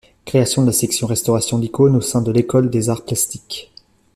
Création de la section Restauration d'icônes au sein de l'École des arts plastiques.